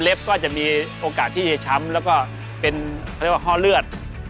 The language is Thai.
ก็จะมีโอกาสที่จะช้ำแล้วก็เป็นเขาเรียกว่าห้อเลือด